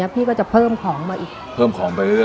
พี่ก็จะเพิ่มของมาอีก